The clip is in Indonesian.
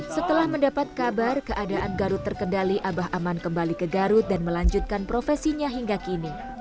setelah mendapat kabar keadaan garut terkendali abah aman kembali ke garut dan melanjutkan profesinya hingga kini